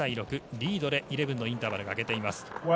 リードで１１のインターバルが明けています。